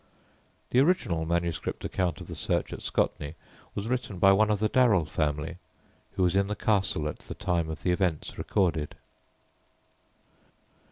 The original manuscript account of the search at Scotney was written by one of the Darrell family, who was in the castle at the time of the events recorded.